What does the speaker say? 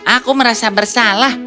aku merasa bersalah